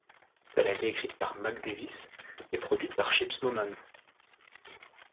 Elle a été écrite par Mac Davis et produite par Chips Moman.